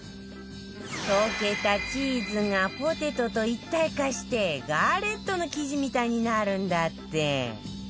溶けたチーズがポテトと一体化してガレットの生地みたいになるんだって